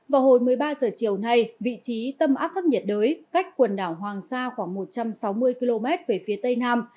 vào hồi một mươi ba h chiều nay vị trí tâm áp thấp nhiệt đới cách quần đảo hoàng sa khoảng một trăm sáu mươi km về phía tây nam